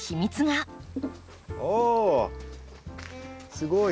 すごい！